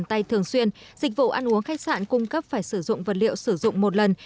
tay thường xuyên dịch vụ ăn uống khách sạn cung cấp phải sử dụng vật liệu sử dụng một lần